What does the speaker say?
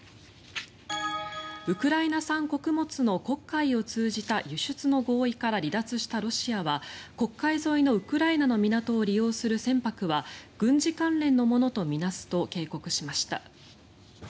ウクライナ産穀物の黒海を通じた輸出の合意から離脱したロシアは黒海沿いのウクライナの港を利用する船舶は軍事関連のものと見なすと警告しました。